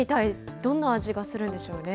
どんな味がするんでしょうね。